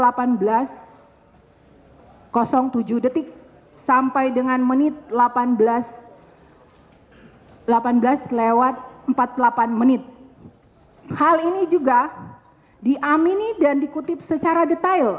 hai kosong tujuh detik sampai dengan menit delapan belas delapan belas lewat empat puluh delapan menit hal ini juga diamini dan dikutip secara detail